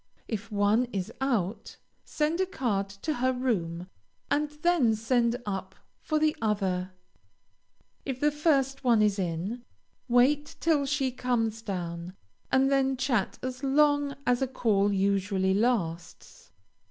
If one is out, send a card to her room, and then send up for the other. If the first one is in, wait till she comes down, and then chat as long as a call usually lasts.